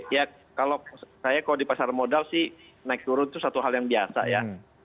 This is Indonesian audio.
ya kalau saya kalau di pasar modal sih naik turun itu satu hal yang biasa ya